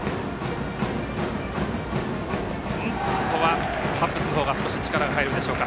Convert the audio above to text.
ここはハッブス大起のほうが力が入るんでしょうか。